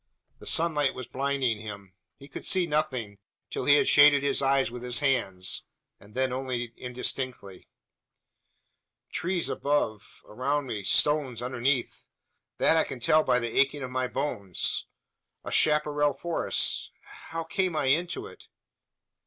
The sunlight was blinding him. He could see nothing, till he had shaded his eyes with his hand; then only indistinctly. "Trees above around me! Stones underneath! That I can tell by the aching of my bones. A chapparal forest! How came I into it?